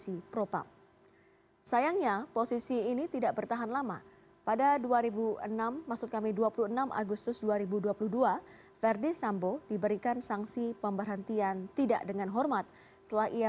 ia diangkat sebagai inspektur jeneral dengan jabatan kadif propampolri